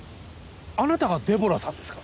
あなたがデボラさんですか？